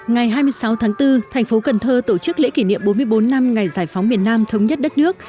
ngày hai mươi sáu tháng bốn thành phố cần thơ tổ chức lễ kỷ niệm bốn mươi bốn năm ngày giải phóng miền nam thống nhất đất nước